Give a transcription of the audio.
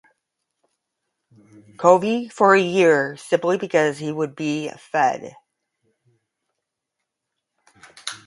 Covey for a year, simply because he would be fed.